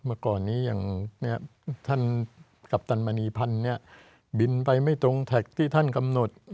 เมื่อก่อนนี้อย่างท่านกัปตันมณีพันธ์บินไปไม่ตรงแท็กที่ท่านกำหนด